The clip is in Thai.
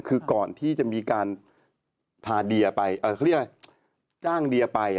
คือก่อนที่จะมีการพาเดียไปเขาเรียกว่าจ้างเดียไป